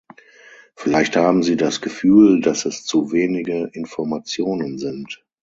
Vielleicht haben Sie das Gefühl, dass es zu wenige Informationen sind.